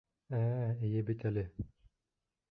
Ә-ә, эйе бит әле!